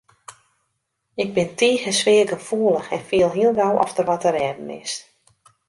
Ik bin tige sfeargefoelich en fiel hiel gau oft der wat te rêden is.